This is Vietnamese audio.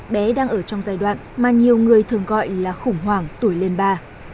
bé đang ở trong giai đoạn mà nhiều người thường gọi là khủng hoảng tuổi lên ba